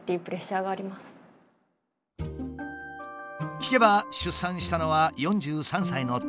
聞けば出産したのは４３歳のとき。